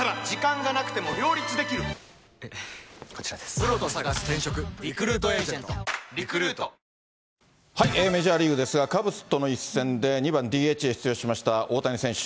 新「ブローネ泡カラー」「ブローネ」メジャーリーグですが、カブスとの一戦で２番ＤＨで出場しました大谷選手。